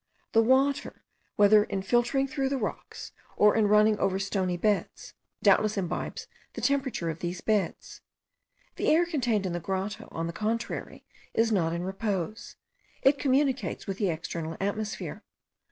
The water, whether in filtering through the rocks, or in running over stony beds, doubtless imbibes the temperature of these beds. The air contained in the grotto, on the contrary, is not in repose; it communicates with the external atmosphere.